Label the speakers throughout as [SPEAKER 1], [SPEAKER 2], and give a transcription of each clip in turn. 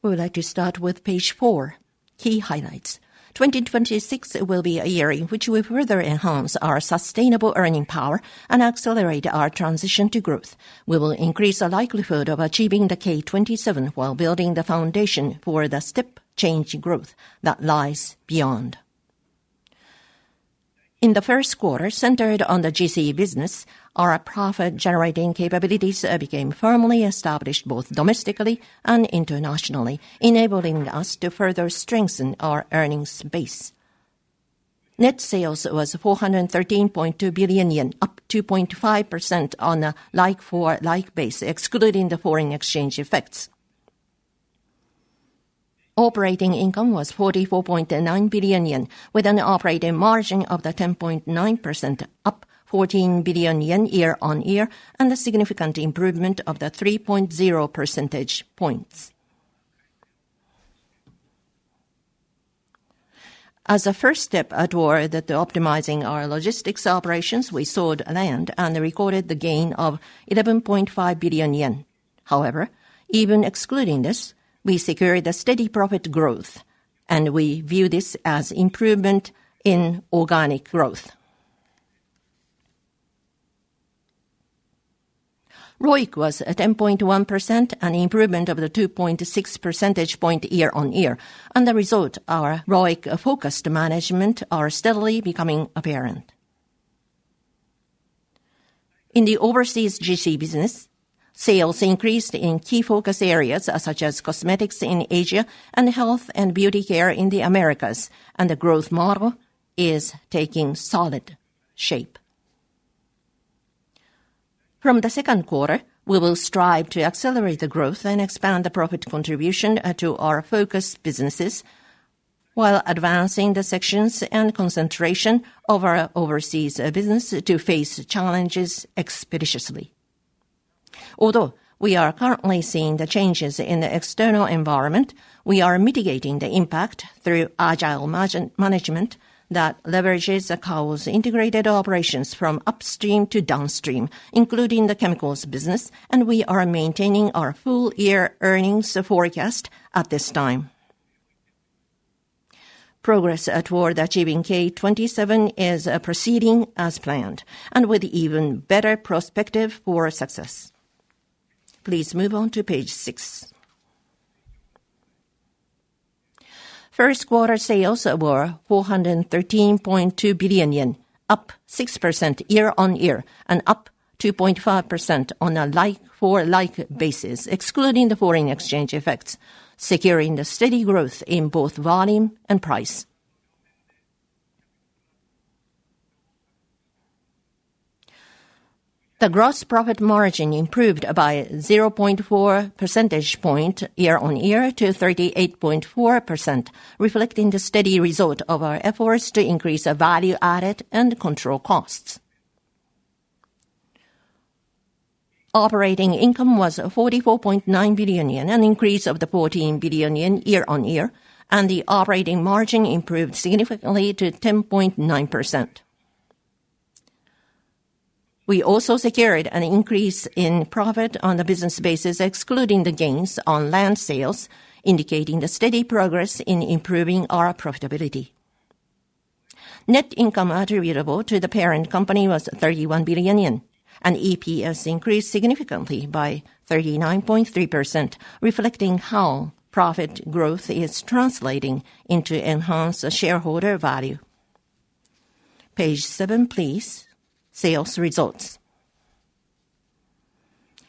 [SPEAKER 1] We would like to start with page four key highlights. 2026 will be a year in which we further enhance our sustainable earning power and accelerate our transition to growth. We will increase the likelihood of achieving the K27 while building the foundation for the step change growth that lies beyond. In the first quarter, centered on the GC Business, our profit-generating capabilities became firmly established both domestically and internationally, enabling us to further strengthen our earnings base. Net sales was 413.2 billion yen, up 2.5% on a like-for-like base, excluding the foreign exchange effects. Operating income was 44.9 billion yen, with an operating margin of the 10.9%, up 14 billion yen year-on-year, and a significant improvement of the 3.0 percentage points. As a first step toward the optimizing our logistics operations, we sold land and recorded the gain of 11.5 billion yen. However, even excluding this, we secured a steady profit growth, and we view this as improvement in organic growth. ROIC was at 10.1%, an improvement over the 2.6 percentage point year-over-year. The result, our ROIC-focused management are steadily becoming apparent. In the overseas GC Business, sales increased in key focus areas such as Cosmetics in Asia and Health and Beauty Care in the Americas, and the growth model is taking solid shape. From the second quarter, we will strive to accelerate the growth and expand the profit contribution to our focus businesses while advancing the selection and concentration of our overseas business to face challenges expeditiously. Although we are currently seeing the changes in the external environment, we are mitigating the impact through agile management that leverages the Kao's integrated operations from upstream to downstream, including the chemicals business, and we are maintaining our full year earnings forecast at this time. Progress toward achieving K27 is proceeding as planned and with even better prospective for success. Please move on to page six. First quarter sales were 413.2 billion yen, up 6% year-on-year and up 2.5% on a like-for-like basis, excluding the foreign exchange effects, securing the steady growth in both volume and price. The gross profit margin improved by 0.4 percentage point year-on-year to 38.4%, reflecting the steady result of our efforts to increase our value added and control costs. Operating income was 44.9 billion yen, an increase of 14 billion yen year-over-year, and the operating margin improved significantly to 10.9%. We also secured an increase in profit on the business basis, excluding the gains on land sales, indicating the steady progress in improving our profitability. Net income attributable to the parent company was 31 billion yen, and EPS increased significantly by 39.3%, reflecting how profit growth is translating into enhanced shareholder value. Page seven, please. Sales results.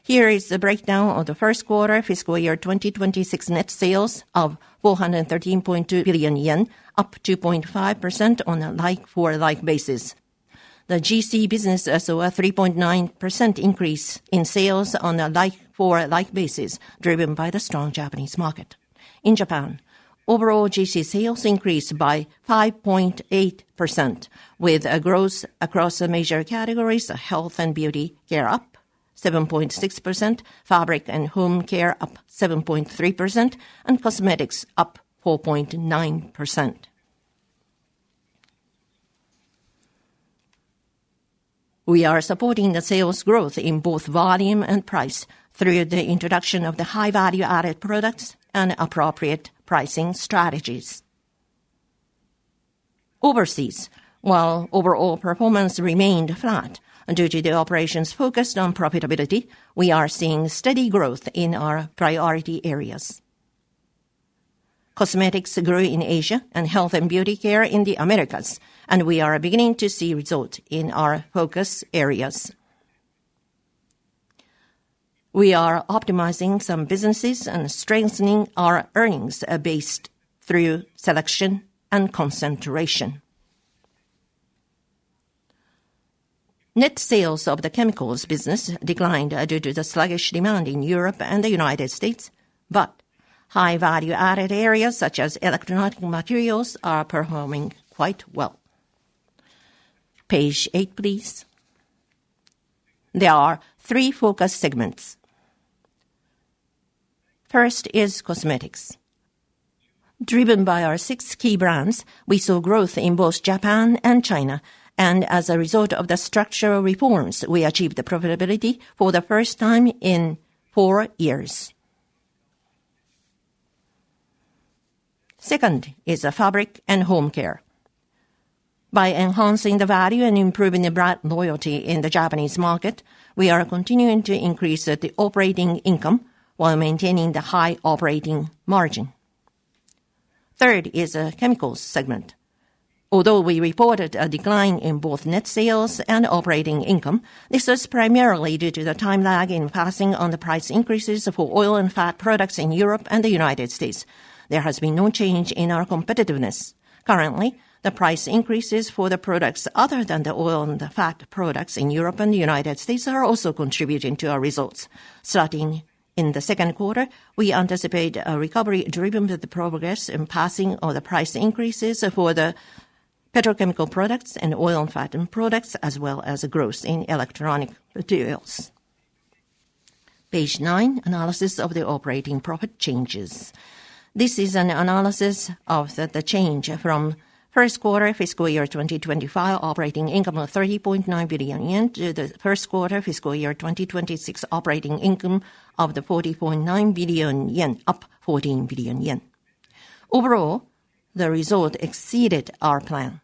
[SPEAKER 1] Here is the breakdown of the first quarter fiscal year 2026 net sales of 413.2 billion yen, up 2.5% on a like-for-like basis. The GC Business saw a 3.9% increase in sales on a like-for-like basis, driven by the strong Japanese market. In Japan, overall GC sales increased by 5.8% with a growth across the major categories of Health and Beauty Care up 7.6%, Fabric and Home Care up 7.3%, and Cosmetics up 4.9%. We are supporting the sales growth in both volume and price through the introduction of the high value-added products and appropriate pricing strategies. Overseas, while overall performance remained flat due to the operations focused on profitability, we are seeing steady growth in our priority areas. Cosmetics grew in Asia and Health and Beauty Care in the Americas, we are beginning to see results in our focus areas. We are optimizing some businesses and strengthening our earnings based through selection and concentration. Net sales of the chemicals business declined due to the sluggish demand in Europe and the United States, but high value-added areas such as electronic materials are performing quite well. Page eight, please. There are three focus segments. First is Cosmetics. Driven by our six key brands, we saw growth in both Japan and China, and as a result of the structural reforms, we achieved the profitability for the first time in four years. Second is Fabric and Home Care. By enhancing the value and improving the brand loyalty in the Japanese market, we are continuing to increase the operating income while maintaining the high operating margin. Third is Chemicals Segment. Although we reported a decline in both net sales and operating income, this was primarily due to the time lag in passing on the price increases for oil and fat products in Europe and the United States. There has been no change in our competitiveness. Currently, the price increases for the products other than the oil and the fat products in Europe and the United States are also contributing to our results. Starting in the second quarter, we anticipate a recovery driven with the progress in passing on the price increases for the petrochemical products and oil and fat products, as well as a growth in electronic materials. Page nine, analysis of the operating profit changes: this is an analysis of the change from first quarter fiscal year 2025 operating income of 30.9 billion yen to the first quarter fiscal year 2026 operating income of 40.9 billion yen, up 14 billion yen. Overall, the result exceeded our plan,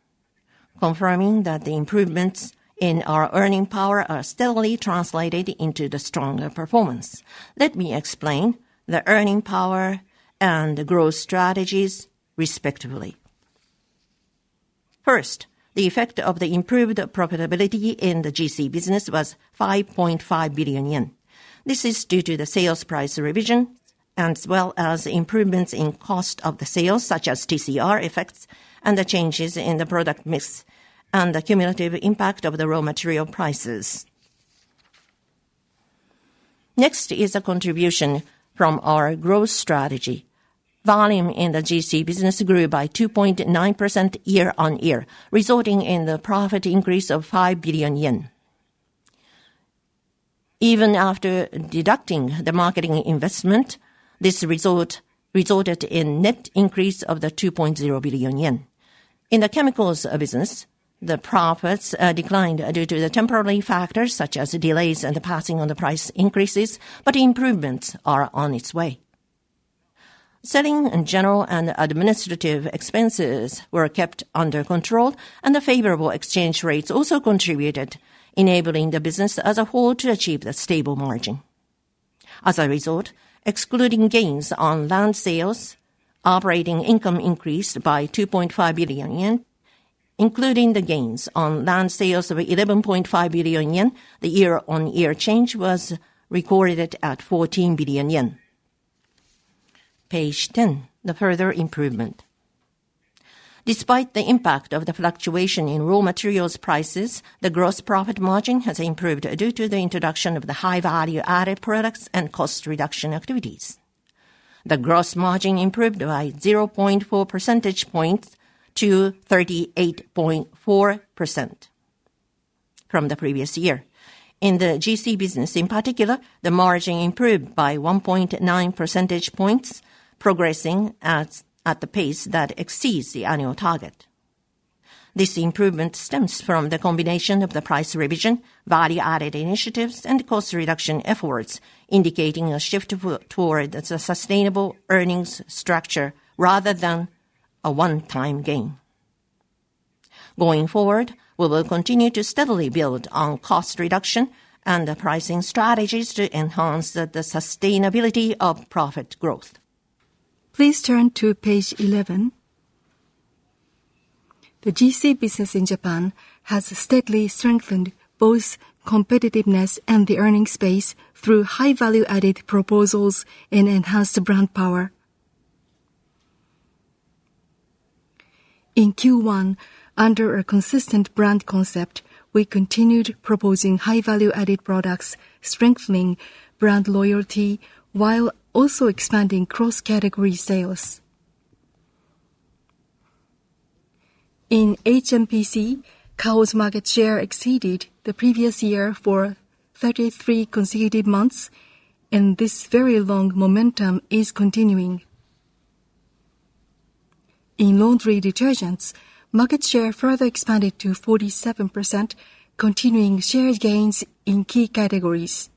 [SPEAKER 1] confirming that the improvements in our earning power are steadily translated into the stronger performance. Let me explain the earning power and growth strategies respectively. First, the effect of the improved profitability in the GC Business was 5.5 billion yen. This is due to the sales price revision, as well as improvements in cost of the sales, such as TCR effects and the changes in the product mix and the cumulative impact of the raw material prices. Next is a contribution from our growth strategy. Volume in the GC Business grew by 2.9% year-on-year, resulting in the profit increase of 5 billion yen. Even after deducting the marketing investment, this resulted in net increase of the 2.0 billion yen. In the Chemicals Business, the profits declined due to the temporary factors such as delays and the passing on the price increases, but improvements are on its way. Selling and general and administrative expenses were kept under control and the favorable exchange rates also contributed, enabling the business as a whole to achieve the stable margin. As a result, excluding gains on land sales, operating income increased by 2.5 billion yen, including the gains on land sales of 11.5 billion yen, the year-on-year change was recorded at 14 billion yen. Page 10, the further improvement. Despite the impact of the fluctuation in raw materials prices, the gross profit margin has improved due to the introduction of the high value added products and cost reduction activities. The gross margin improved by 0.4 percentage points to 38.4% from the previous year. In the GC Business in particular, the margin improved by 1.9 percentage points progressing at the pace that exceeds the annual target. This improvement stems from the combination of the price revision, value added initiatives, and cost reduction efforts, indicating a shift toward the sustainable earnings structure rather than a one-time gain. Going forward, we will continue to steadily build on cost reduction and the pricing strategies to enhance the sustainability of profit growth. Please turn to page 11. The GC business in Japan has steadily strengthened both competitiveness and the earning space through high value-added proposals and enhanced brand power. In Q1, under a consistent brand concept, we continued proposing high value-added products, strengthening brand loyalty while also expanding cross-category sales. In H&PC, Kao's market share exceeded the previous year for 33 consecutive months, and this very long momentum is continuing. In laundry detergents, market share further expanded to 47%, continuing share gains in key categories.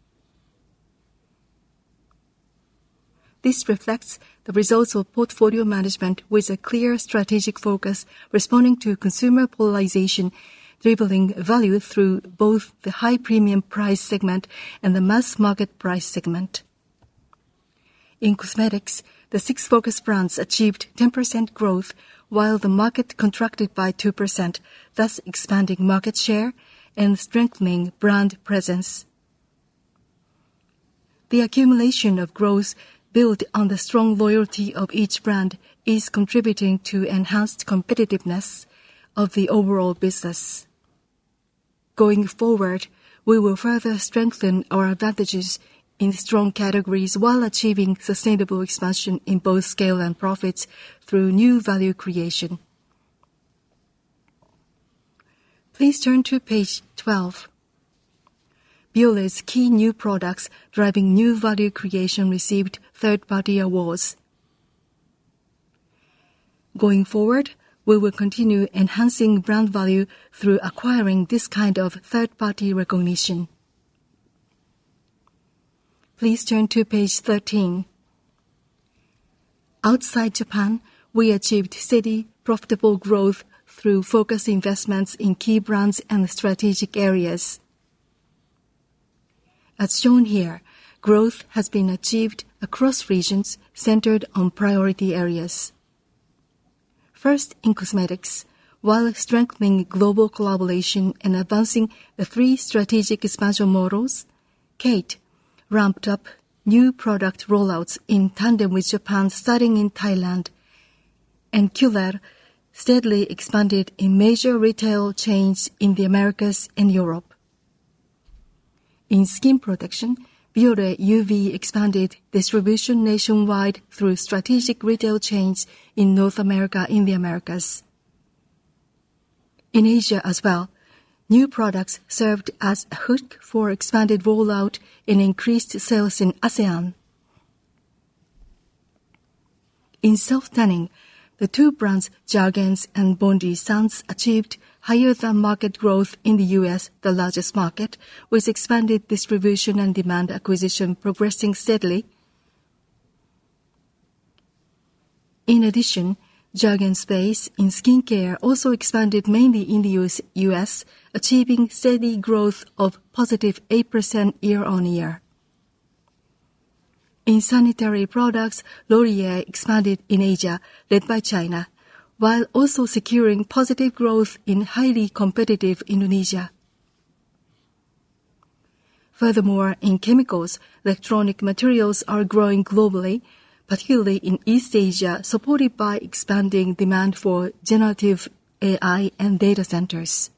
[SPEAKER 1] This reflects the results of portfolio management with a clear strategic focus responding to consumer polarization, delivering value through both the high premium price segment and the mass market price segment. In Cosmetics, the six focus brands achieved 10% growth while the market contracted by 2%, thus expanding market share and strengthening brand presence. The accumulation of growth built on the strong loyalty of each brand is contributing to enhanced competitiveness of the overall business. Going forward, we will further strengthen our advantages in strong categories while achieving sustainable expansion in both scale and profits through new value creation. Please turn to page 12. Bioré's key new products driving new value creation received third-party awards. Going forward, we will continue enhancing brand value through acquiring this kind of third-party recognition. Please turn to page 13. Outside Japan, we achieved steady profitable growth through focused investments in key brands and strategic areas. As shown here, growth has been achieved across regions centered on priority areas. First, in cosmetics, while strengthening global collaboration and advancing the three strategic expansion models, KATE ramped up new product rollouts in tandem with Japan, starting in Thailand. Curél steadily expanded in major retail chains in the Americas and Europe. In skin protection, Bioré UV expanded distribution nationwide through strategic retail chains in North America and the Americas. In Asia as well, new products served as a hook for expanded rollout and increased sales in ASEAN. In self-tanning, the two brands, Jergens and Bondi Sands, achieved higher than market growth in the U.S. the largest market, with expanded distribution and demand acquisition progressing steadily. Jergens face and skincare also expanded mainly in the U.S. achieving steady growth of positive 8% year-on-year. In sanitary products, Laurier expanded in Asia, led by China, while also securing positive growth in highly competitive Indonesia. In chemicals, electronic materials are growing globally, particularly in East Asia, supported by expanding demand for generative AI and data centers.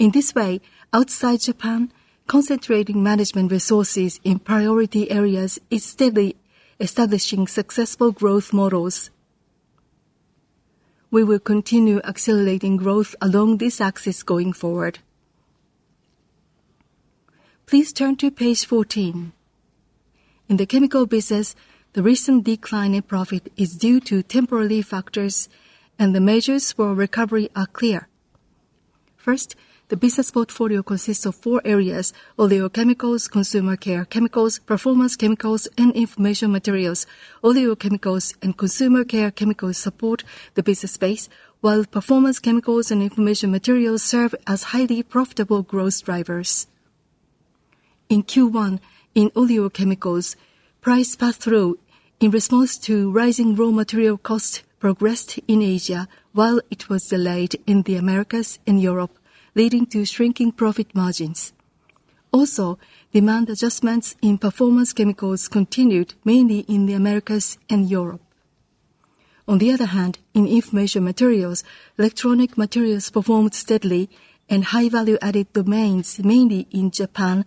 [SPEAKER 1] In this way, outside Japan, concentrating management resources in priority areas is steadily establishing successful growth models. We will continue accelerating growth along this axis going forward. Please turn to page 14. In the Chemical Business, the recent decline in profit is due to temporary factors, and the measures for recovery are clear. First, the business portfolio consists of four areas, oleo chemicals, consumer care chemicals, performance chemicals, and information materials. Oleo chemicals and consumer care chemicals support the business base, while performance chemicals and information materials serve as highly profitable growth drivers. In Q1, in oleo chemicals, price pass-through in response to rising raw material costs progressed in Asia while it was delayed in the Americas and Europe, leading to shrinking profit margins. Demand adjustments in performance chemicals continued mainly in the Americas and Europe. On the other hand, in information materials, electronic materials performed steadily in high value-added domains, mainly in Japan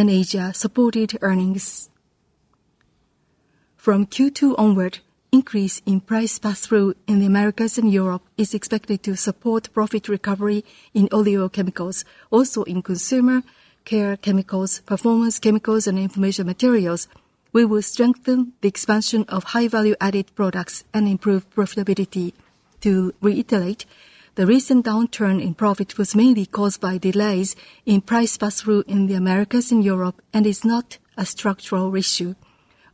[SPEAKER 1] and Asia, supported earnings. From Q2 onward, increase in price pass-through in the Americas and Europe is expected to support profit recovery in oleo chemicals. In consumer care chemicals, performance chemicals, and information materials, we will strengthen the expansion of high value-added products and improve profitability. To reiterate, the recent downturn in profit was mainly caused by delays in price pass-through in the Americas and Europe and is not a structural issue.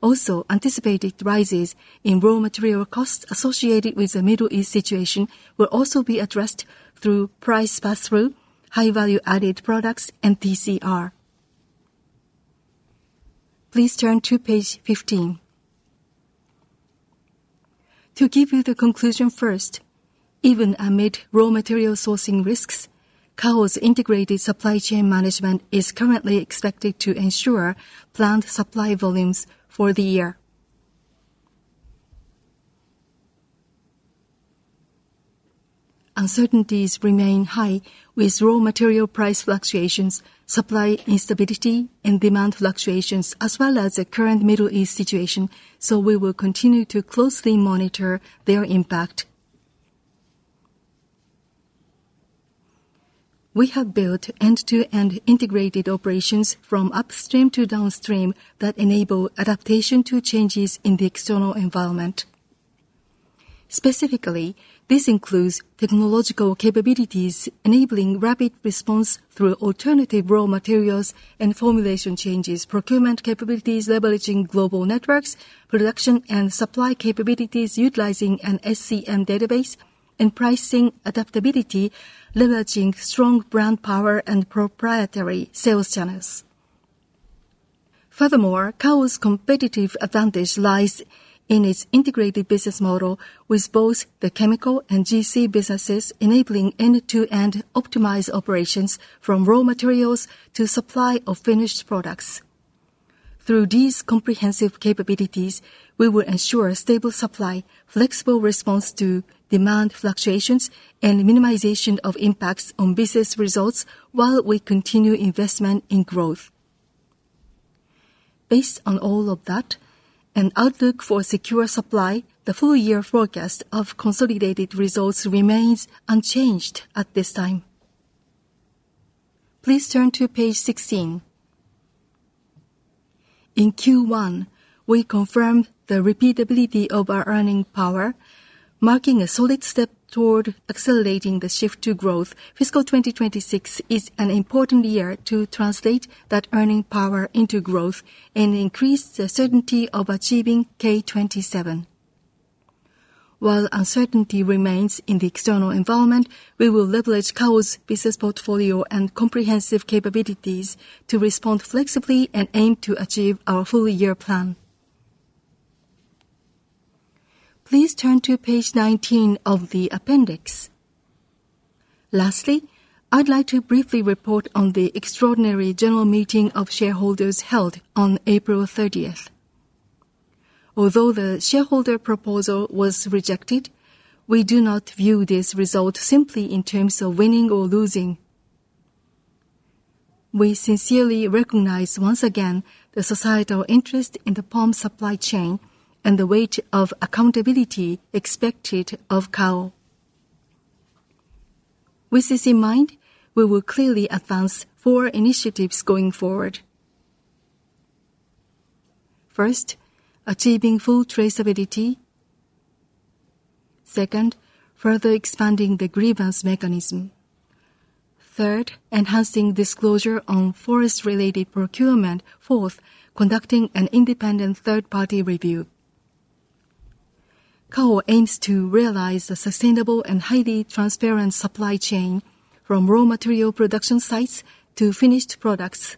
[SPEAKER 1] Also, anticipated rises in raw material costs associated with the Middle East situation will also be addressed through price pass-through, high value-added products, and TCR. Please turn to page 15. To give you the conclusion first, even amid raw material sourcing risks, Kao's integrated supply chain management is currently expected to ensure planned supply volumes for the year. Uncertainties remain high with raw material price fluctuations, supply instability and demand fluctuations as well as the current Middle East situation, so we will continue to closely monitor their impact. We have built end-to-end integrated operations from upstream to downstream that enable adaptation to changes in the external environment. Specifically, this includes technological capabilities enabling rapid response through alternative raw materials and formulation changes, procurement capabilities leveraging global networks, production and supply capabilities utilizing an SCM database, and pricing adaptability leveraging strong brand power and proprietary sales channels. Kao's competitive advantage lies in its integrated business model with both the Chemical and GC businesses enabling end-to-end optimized operations from raw materials to supply of finished products. Through these comprehensive capabilities, we will ensure stable supply, flexible response to demand fluctuations, and minimization of impacts on business results while we continue investment in growth. Based on all of that, an outlook for secure supply, the full year forecast of consolidated results remains unchanged at this time. Please turn to page 16. In Q1, we confirmed the repeatability of our earning power, marking a solid step toward accelerating the shift to growth. Fiscal 2026 is an important year to translate that earning power into growth and increase the certainty of achieving K27. While uncertainty remains in the external environment, we will leverage Kao's business portfolio and comprehensive capabilities to respond flexibly and aim to achieve our full year plan. Please turn to page 19 of the appendix. Lastly, I'd like to briefly report on the extraordinary general meeting of shareholders held on April 30th. Although the shareholder proposal was rejected, we do not view this result simply in terms of winning or losing. We sincerely recognize once again the societal interest in the palm supply chain and the weight of accountability expected of Kao. With this in mind, we will clearly advance four initiatives going forward. First, achieving full traceability. Second, further expanding the grievance mechanism. Third, enhancing disclosure on forest-related procurement. Fourth, conducting an independent third-party review. Kao aims to realize a sustainable and highly transparent supply chain from raw material production sites to finished products.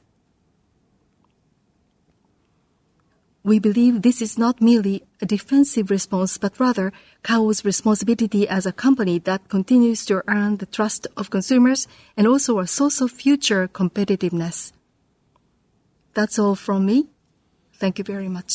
[SPEAKER 1] We believe this is not merely a defensive response, but rather Kao's responsibility as a company that continues to earn the trust of consumers and also a source of future competitiveness. That's all from me. Thank you very much.